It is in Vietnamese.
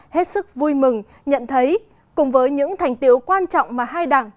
hết sức vui mừng nhận thấy cùng với những thành tiệu quan trọng mà hai đảng